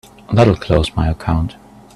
That'll close my account.